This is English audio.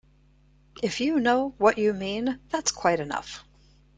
If you know what you mean, that's quite enough.